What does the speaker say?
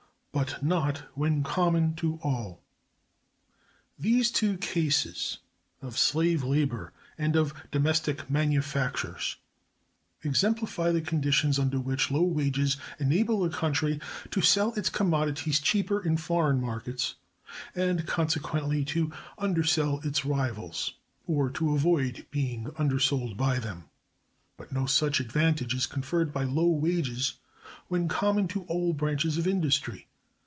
—But not when common to All. These two cases, of slave labor and of domestic manufactures, exemplify the conditions under which low wages enable a country to sell its commodities cheaper in foreign markets, and consequently to undersell its rivals, or to avoid being undersold by them. But no such advantage is conferred by low wages when common to all branches of industry.